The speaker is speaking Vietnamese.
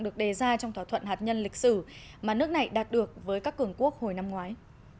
được đề ra trong thỏa thuận hạt nhân lịch sử mà nước này đạt được với các cường quốc hồi năm ngoái